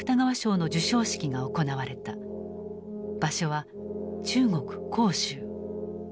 場所は中国・杭州。